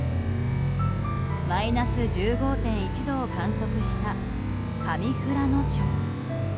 マイナス１５．１度を観測した上富良野町。